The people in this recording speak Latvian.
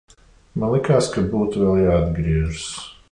Man likās, ka būtu vēl jāatgriežas.